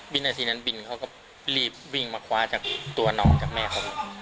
นาทีนั้นบินเขาก็รีบวิ่งมาคว้าจากตัวน้องจากแม่เขา